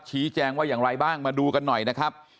ชี้แจงว่าอย่างไรบ้างมาดูกันหน่อยนะครับ